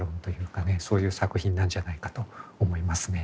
そういう作品なんじゃないかと思いますね。